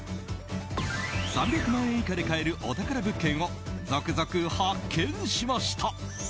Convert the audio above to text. ３００万円以下で買えるお宝物件を、続々発見しました。